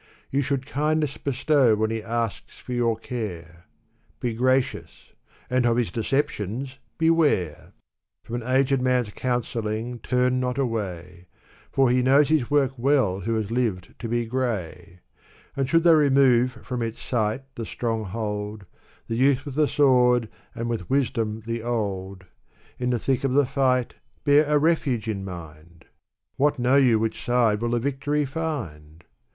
You should kindness bestow when he asks for your care; Be gracious ! and of his deceptions, beware ! From an ag^d man's counselling turn not away ! For he knows his work well who has lived to be gray ! And should they remove from its site the stronghold — The youth with the sword and with wisdom the old — In the thick of the fight, bear a refuge in mind ! What know you which side will the victory find?